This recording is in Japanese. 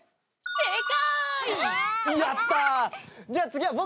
正解！